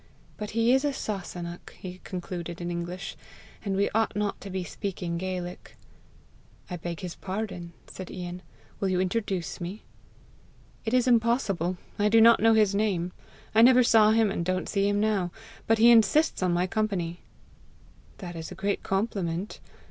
But he is a Sasunnach," he concluded in English, "and we ought not to be speaking Gaelic." "I beg his pardon," said Ian. "Will you introduce me?" "It is impossible; I do not know his name. I never saw him, and don't see him now. But he insists on my company." "That is a great compliment.